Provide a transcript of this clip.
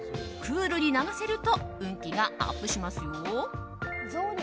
クールに流せると運気がアップしますよ。